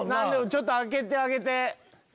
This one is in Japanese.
ちょっと開けてあげて。